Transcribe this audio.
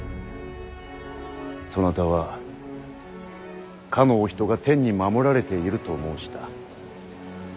そなたはかのお人が天に守られていると申した。